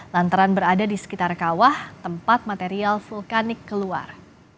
lantaran berada di sekitar kawah tempat material vulkanik keluar